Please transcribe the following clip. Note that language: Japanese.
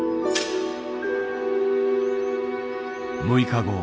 ６日後。